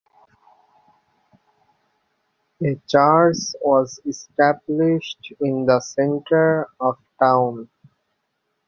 A church was established in the center of town.